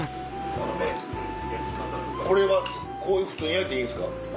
これはこう普通に焼いていいんですか？